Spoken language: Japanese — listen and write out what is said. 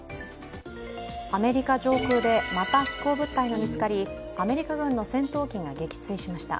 アメリカ上空でまた飛行物体が見つかりアメリカ軍の戦闘機が撃墜しました。